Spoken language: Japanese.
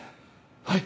はい！